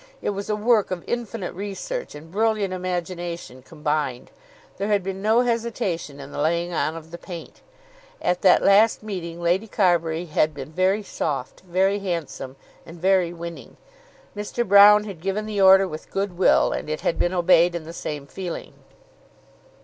It was a work of infinite research and brilliant imagination combined. There had been no hesitation in the laying on of the paint. At that last meeting Lady Carbury had been very soft, very handsome, and very winning; Mr. Broune had given the order with good will, and it had been obeyed in the same feeling.